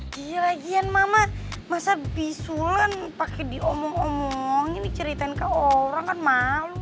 gila gian mama masa bisulen pake diomong omongin diceritain ke orang kan malu